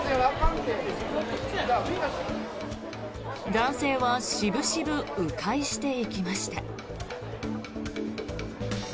男性は渋々、迂回していきました。